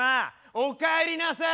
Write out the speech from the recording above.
おかえりなさい！